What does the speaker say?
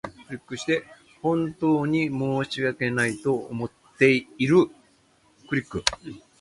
本当に申し訳ないと思っている